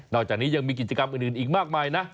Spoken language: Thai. อกจากนี้ยังมีกิจกรรมอื่นอีกมากมายนะ